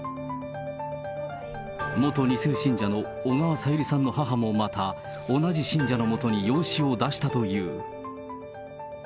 元２世信者の小川さゆりさんの母もまた、同じ信者のもとに養子を出したという。